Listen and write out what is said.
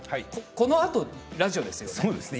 このあとラジオですよね。